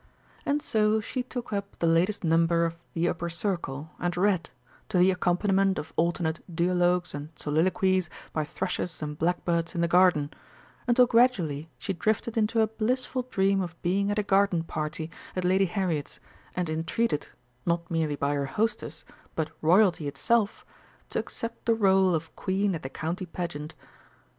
And so she took up the latest number of The Upper Circle, and read, to the accompaniment of alternate duologues and soliloquies by thrushes and blackbirds in the garden, until gradually she drifted into a blissful dream of being at a garden party at Lady Harriet's and entreated, not merely by her hostess, but Royalty itself, to accept the rôle of Queen at the County Pageant!